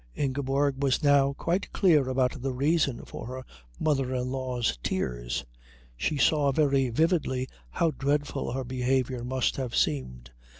Ingeborg was now quite clear about the reason for her mother in law's tears. She saw very vividly how dreadful her behaviour must have seemed.